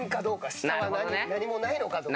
下は何もないのかとか。